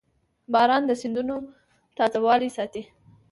• باران د سیندونو تازهوالی ساتي.